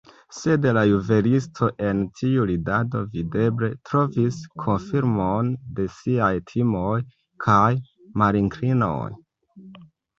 Sed la juvelisto en tiu ridado videble trovis konfirmon de siaj timoj kaj malinklinoj.